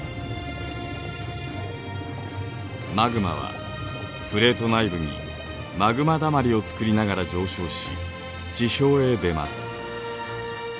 マグマはプレート内部にマグマだまりをつくりながら上昇し地表へ出ます。